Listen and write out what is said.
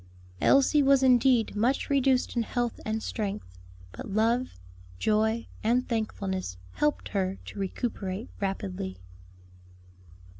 Elsie was indeed much reduced in health and strength; but love, joy, and thankfulness helped her to recuperate rapidly.